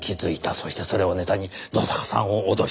そしてそれをネタに野坂さんを脅した。